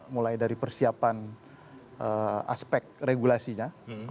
mulai dari persiapan aspek regulasinya